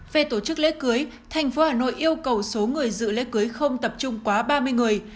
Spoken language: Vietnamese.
về tổ chức lễ cưới thành phố hà nội yêu cầu số người dự lễ cưới không tập trung quá ba mươi người